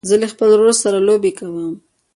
زه له خپل ورور سره لوبې کوم.